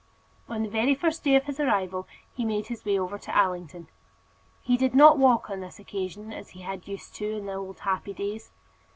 On the very first day of his arrival he made his way over to Allington. He did not walk on this occasion as he had used to do in the old happy days.